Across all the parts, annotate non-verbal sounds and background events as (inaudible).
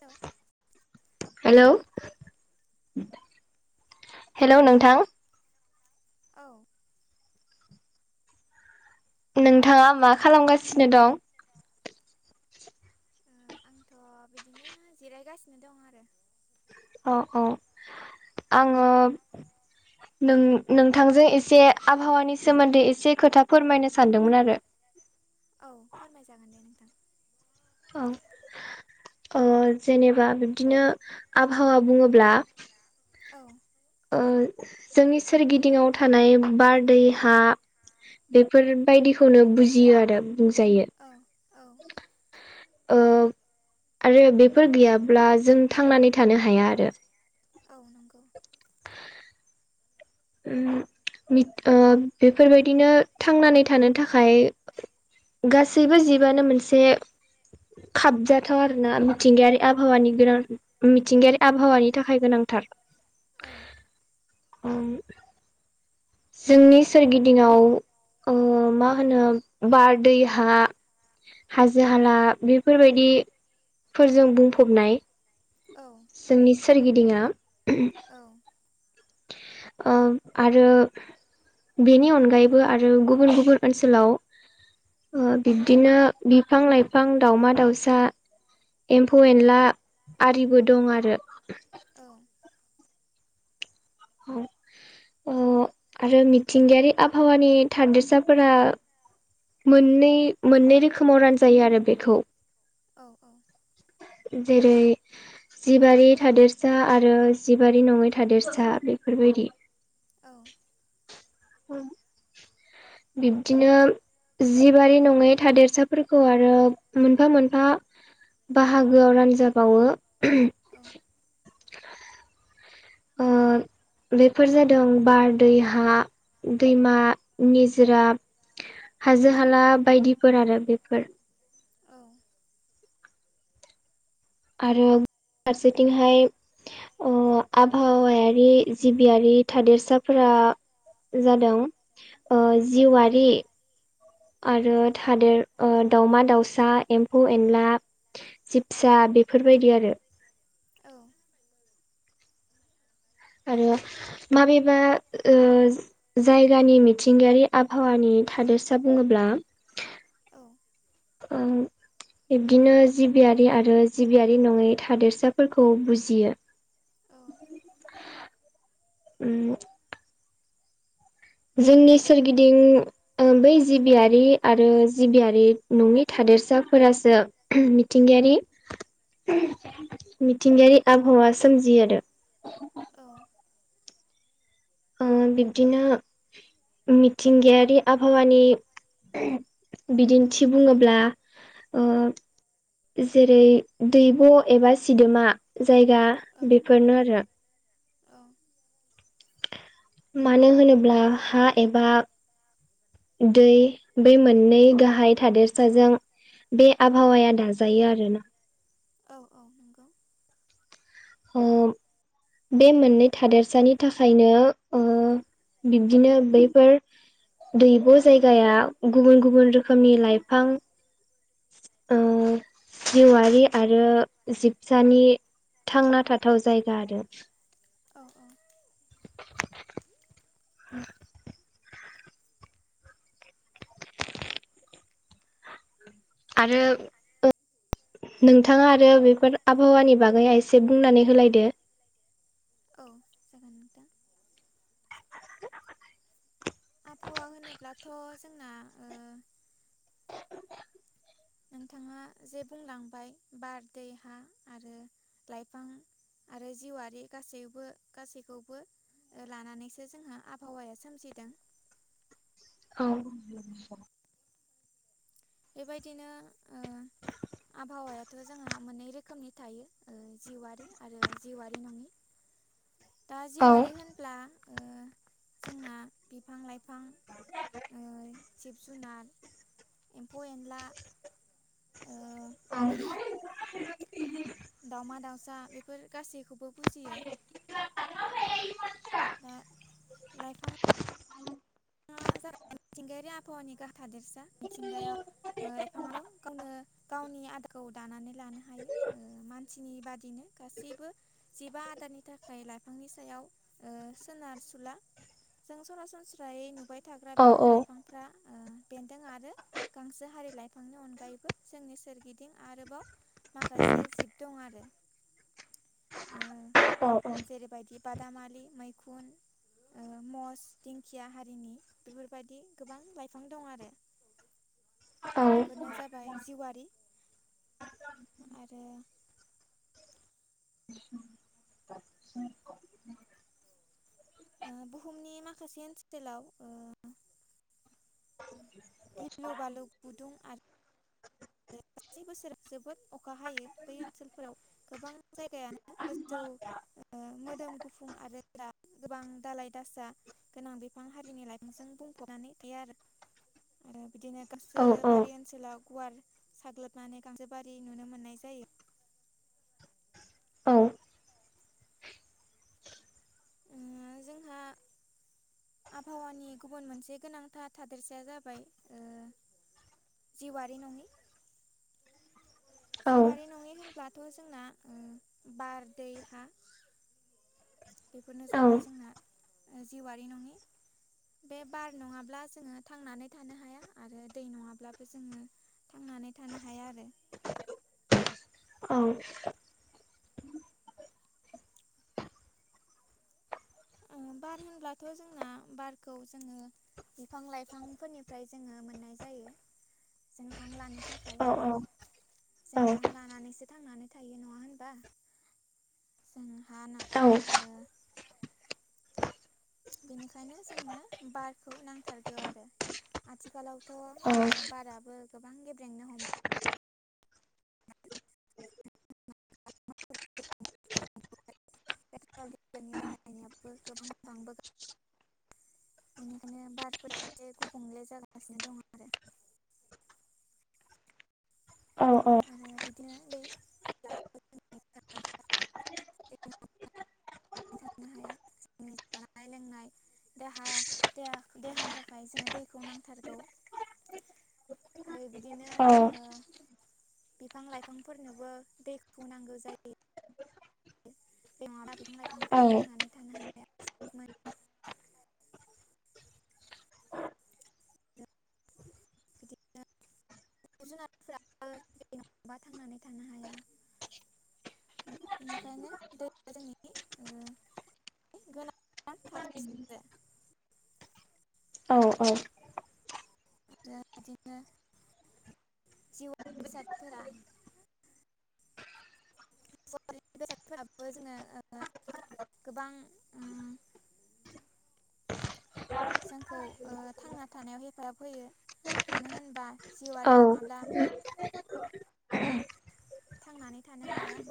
Hello (inaudible) hello hello नोंथां‌ औ नोंथाङा मा खालामगासिनो दं? आंथ' बिदिनो जिरायगासिनो दं आरो अ अ आङो नों नोंथांजों एसे आबहावानि सोमोन्दै एसे खोथा फोरमायनो सानदोंमोन आरो औ फोरमायजागोन दे नोंथां औ। ओ जेनेबा बिब्दिनो आबहावा बुङोब्ला औ। ओ जोंनि सोरगिदिङाव थानाय बारदै हा बेफोरबायदिखौनो बुजियो आरो बुंजायो। औ औ ओ आरो बेफोर गैयाब्ला जों थांनानै थानो हाया आरो। औ नंगौ। उम बेफोरबायदिनो थांनानै थानो थाखाय गासैबो जिबआनो मोनसे खाबजाथाव आरोना मिथिंगायारि बहावानि गोनां मिथिंगायारि आबहावानि थाखाय गोनांथार। गोनांथार औ जोंनि सोरगिदिंआव अ मा होनो बार, दै, हा, हाजो-हाला हाजो हाला बेफोरबायदिफोरजों बुंफबनाय। जोंनि सोरगिदिंआ औ ओ आरो बेनि अनगायैबो आरो गुबुन गुबुन ओनसोलाव ओ बिब्दिनो बिफां-लाइफां दाावमा -दाउसा एम्फौ -एनला आरिबो दं आरो। औ औ। आरो मिथिंगायारि आबहावानि थादोरसाफोरा मोननै मोननै रोखोमाव रानजायो आरो बेखौ। औ- औ जेरै- जिबारि थादेरसा आरो जिबारि नङै थादेरसा बेफोरबायदि। औ जायगा बेफोरनो बिब्दिनो जिबारि नङै थादेरसाफोरखौ आरो मोनफा-मोनफा बाहागोआव रानजाबावो। औ। ओ। बेफोर जादों बार, दै, हा, दैमा, निजरा हाजो- हाला बायदिफोर आरो बेफोर। आरो फारसेथिंहाय- अ आबहावायारि जिबियारि थादेरसाफोरा जादों ओ जिउआारि। आरो थादेर दाावमा-दाावसा, एम्फौ-एनला, जिबसा बेफोरबायदि आरो। औ। आरो माबेबा जायगानि मिथिंगायारि आबहावानि थादोरसा बुङोब्ला ओं। बिब्दिनो जिबियारि आरो जिबियारि नङै थादेरसाफोरखौ बुजियो। उम। जोंनि सोरगिदिं बै जिबियारि आरो जिबियारि नङै था देरसाफोरासो मिथिंगायारि मिथिंगायारि आब'हावाआ सोमजियो आरो। बिब्दिनो मिथिंगायारि आबहावानि बिदिन्थि बुङोब्ला जेरै- दैब' एबा सिदोमा जायगा बेफोरनो आरो। आरो औ मानो होनोब्ला हा एबा दै बै मोननै गाहाय थादेरसाजों बे आबहावाया दाजायो आरोना औ औ नंगौ। ओ बे मोननै थादेरसानि थाखायनो ओ बिब्दिनो बैफोर दैब' जायगाया गुबुन गुबुन रोखोमनि लाइफां ओ जिवारि आरो जिबसानि थांना थाथाव जायगा आरो। औ औ। (inaudible) आरो (unintelligible) नोंथाङा आरो बेफोर आबहावानि बागैआ एसे बुंनानै होलायदो औ जागोन नोंथां। आबहावा होनोब्लाथ' जोंना ओ नोंथाङा जे बुंलांबाय बार दै हा आरो लाइफां आरो जिउआरि गासैबो गासैखौबो लानानैसो जोंहा आबहावाया सोमजिदों। (inaudible) (inaudible) बेबायदिनो ओ आबहावायाथ' जोंहा मोननै रोखोमनि थायो ओ जिउवारि आरो जिवारि नङि (inaudible) दा औ जिवारि होनब्ला ओ जोंना बिफां लाइफां ओ (inaudible) जिब जुनार एम्फौ एनला ओ दावमा दाउसा बेफोर गासैखौबो बुजियो। दा लाइफां (inaudible) (unintelligible) मिथिंगायारि आबहावानि गाहाइ थादेरसा मिथिंगायाव ओ लाइफांआल' गावनो गावनि आदारखौ दानानै लानो हायो। (inaudible) थिनि बादिनो गासैबो जिबा आदारनि थाखाय लाइफांनि सायाव ओ सोनारसुला। जों सरासनस्रा फ्राय नुबाय थाग्रा औ बिफां औ लाइफांफ्रा ओ बेन्दों आरो गांसो हारि लाइफांनि अनगायैबो जोंनि सोरगिदिं आरोबाव माखासे जिब दं आरो। ओ औ जेरैबायदि बादामालि मैखुन ओ मस दिं खिया हारिनि बेफोरबायदि गोबां लाइफां दं आरो। औ बेफोरनो जाबाय जिवारि आरो ओ बुहुमनि माखासे (unintelligible) ओ गिलु बालु गुदुं आ (inaudible) जि बोसोराव जोबोद अखा हायो बै ओनसोलफोराव गोबां जायगायानो गोजौ ओ मोदोम गुफुं आरो गोबां दालाय दासा गोनां बिफां हारिनि लाइफांजों बुंफबनानै थायो आरो आरो बिदिनो औ गासै बारि ओनसोलाव गुवार साग्लोबनानै गांजोबारि नुनो मोननाय जायो। औ ओ जोंहा (inaudible) आबहावानि गुबुन मोनसे गोनांथार थादेरसाया जाबाय ओ जिउआरि नङि औ जिउआरि नङि होनब्लाथ' जोंना ओ बार दै हा बेफोरनो औ जाबाय जोंना जिउआरि नङि बे बार नङाब्ला जोङो थांनानै थानो हाया आरो दै नङाब्लाबो जोङो थांनानै थानो हाया आरो। औ ओ बार होनब्लाथ' जोंना बारखौ जोङो बिफां लाइफांफोरनिफ्राय जोङो मोननाय जायो। जों हां लानो थाखाय औ औ जों हां लानानैसो थांनानै थायो नङा होनबा जों हा ना बेनिखायनो जोंनो बारखौ नांथारगौ आरो आथिखालाव थ' बाराबो गोबां गेब्रेंनो हमो। (inaudible) पेट्रल डिजेलनि बाहायनायाबो गोबां बांबो गा बेनिखायनो बारफोरा एसे गुबुंले जागागासिनो दङ आरो (inaudible) औ औ। आरो बिदिनो दै (unintelligible) थांनो हाया जोंनि (inaudible) जानाय लोंनाय। देहा देहा देहानि थाखाय जोंनो दैखौ नांथारगौ। (inaudible) आरो बिदिनो अ। ओ बिफां लाइफांफोरनोबो दैखौ नांगौ जायो। बे नङाबा बिफां लायफांफोराबो थांनानै थानो हाया मोन। (inaudible) जुनाराद फोराबो (unintelligible) नङाबा थांनानै थानो हाया। बेनिखायनो दै आ जोंनि ओ। गोनां थादेर सा। औ औ। आरो बिदिनो। जिउ बेसादफोरा। फरिद बेदफोराबो जोंङो ओ गोबां उम (inaudible) जोंखौ ओ थांना थानायाव हेफाजाब होयो मानो होनबा। जिउआरि नङाब्ला। उम थांनानै थानो हाया।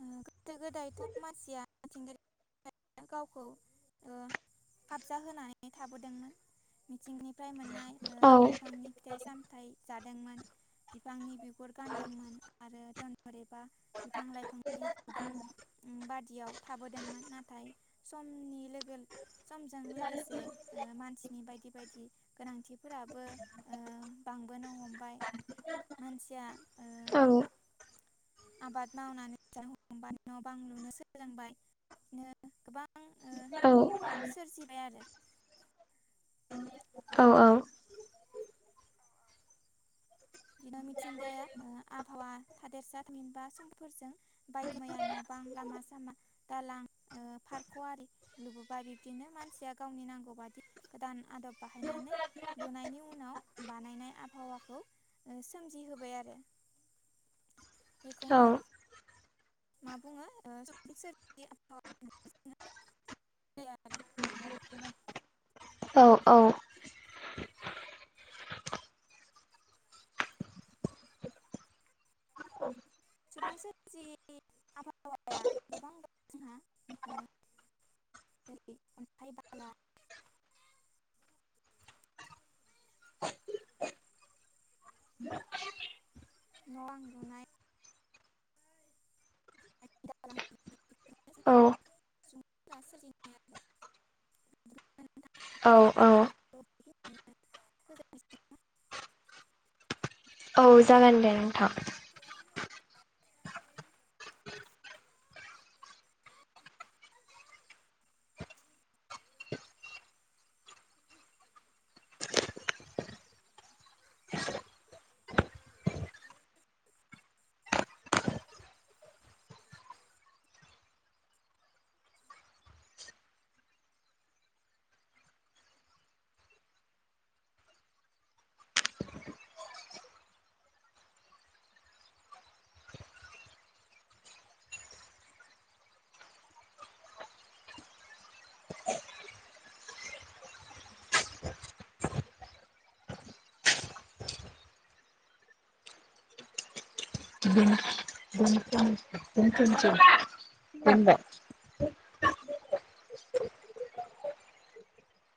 ओ गोदो गोदायथ' मानसिया (unintelligible) थिंगिर गावखौ ओ। खाबजा होनानै थाबोदोंमोन मिथिंनिफ्राय मोननाय ओ बिफांनि फिथाइ साम थाय जादोंमोन। बिफांनि बिगुर गानदोंमोन आरो दनहर एबा बिफां लाइफांनि गुदुं बादियाव थाबोदोंमोन नाथाय समनि लोगो समजों लोगोसे ओ मानसि नि बायदि बायदि गोनांथिफोराबो ओ बांबोनो हमबाय। मानसिया ओ औ। आबाद मावनानै (unintelligible) न' बां लुनो सोलोंबाय नो गोबां। ओ औ। सोरजिबाय आरो औ औ। बिदिनो मिथिंगाया आबहावा थादेरसा मोनबा समफोरजों बायदि माया न' बा लां लामा सामा दालां ओ फारख'आरि लुबोबाय बिबदिनो मानसिया गावनि नांगौ। (unintelligible) गोदान आदब बाहायनानै लुनायनि उनाव बानायनाय आबहावाखौ सोमजिहोबाय आरो बेखौनो मा बुङो? आरो। औ औ। सुबुं सोर जि आबहावाया गोबां द जोंहा ओ जेरै अन्थाइ बाला (inaudible) न' बां लुनाय (inaudible) (inaudible) औ औ फरायनायखौ (inaudible) औ जागोन दे नोंथां (unintelligible)